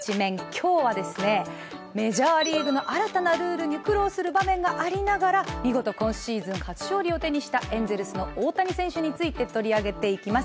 今日はメジャーリーグの新たなルールに苦労する場面がありながら見事今シーズン初勝利を手にしたエンゼルスの大谷選手について取り上げていきます。